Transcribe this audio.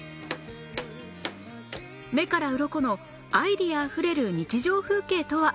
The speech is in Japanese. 目からうろこのアイデアあふれる日常風景とは？